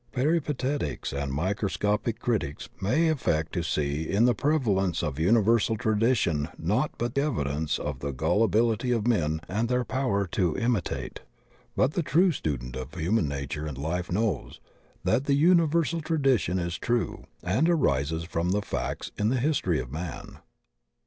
Peripatetics and micro scopic critics may affect to see in the prevalence of universal tradition naught but evidence of the gulli bility of men and their power to imitate, but the true student of human nature and life knows that the uni versal tradition is true and arises from the facts in the history of man.